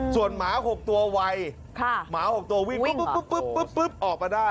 ส่วนหมา๖ตัวไวหมา๖ตัววิ่งปุ๊บออกมาได้